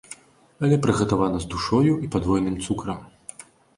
Але прыгатавана з душою і падвойным цукрам.